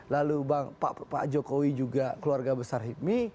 lalu pak jokowi juga keluarga besar hipmi